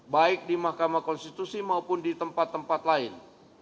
baik di mahkamah konstitusi maupun di tempat tempat lain